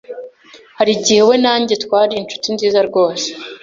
Hari igihe we na njye twari inshuti nziza rwose.